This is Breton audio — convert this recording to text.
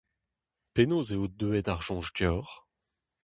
Penaos eo deuet ar soñj deoc'h ?